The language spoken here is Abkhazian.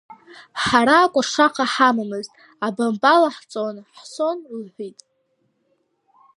Ҳара акәашаха ҳамамызт, абамба лаҳҵон, ҳсон, лҳәит.